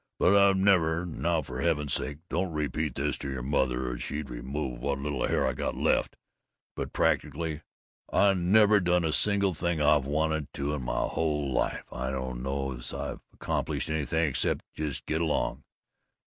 "But I've never Now, for heaven's sake, don't repeat this to your mother, or she'd remove what little hair I've got left, but practically, I've never done a single thing I've wanted to in my whole life! I don't know 's I've accomplished anything except just get along.